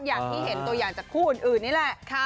อย่างที่เห็นตัวอย่างจากคู่อื่นนี่แหละ